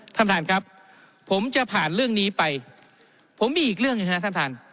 ท่านครับผมจะผ่านเรื่องนี้ไปผมมีอีกเรื่องอย่างนี้ครับท่าน